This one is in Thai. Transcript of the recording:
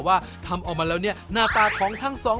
ว่าทำออกมาเรานี่หน้าตาทั้งสองทำออกมาเรานี่หน้าตาของทั้งสอง